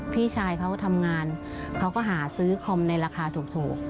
พี่ชายเขาทำงานเขาก็หาซื้อคอมในราคาถูก